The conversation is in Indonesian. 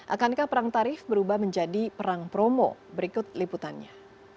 akankah perang tarif berubah menjadi perang promo berikut liputannya